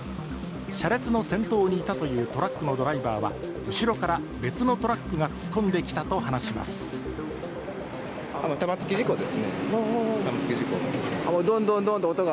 車列の先頭にいたというトラックのドライバーは後ろから別のトラックが突っ込んできたと話します。